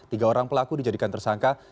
tiga orang pelaku dijadikan tersangka